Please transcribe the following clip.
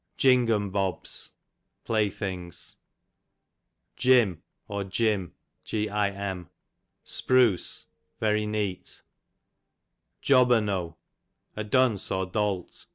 Jingum bobs, play things. Jim, or i Vspruce, very neat, Jobberknow, a dunce, or dolt.